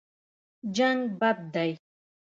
جنګ بد دی.